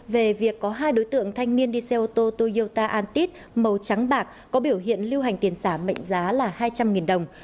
về việc có hai đối tượng thanh niên đi xe ô tô toyota antit màu trắng bạc có biểu hiện lưu hành tiền giả mệnh giá là hai trăm linh đồng